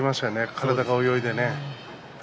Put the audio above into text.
体が泳いでね。